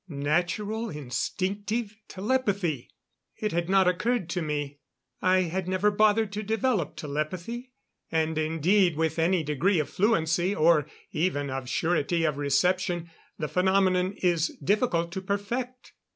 Natural, instinctive telepathy! It had not occurred to me. I had never bothered to develop telepathy; and indeed with any degree of fluency or even of surety of reception the phenomenon is difficult to perfect.